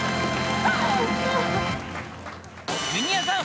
［ジュニアさん